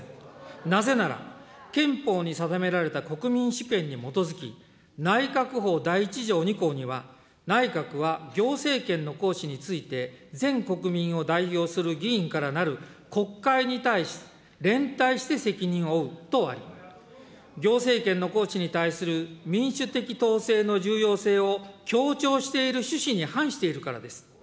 なぜなら憲法に定められた国民主権に基づき、内閣法第１条２項には、内閣は行政権の行使について全国民を代表する議員からなる国会に対し、連帯して責任を負うとあり、行政権の行使に対する民主的統制の重要性を強調している趣旨に反しているからです。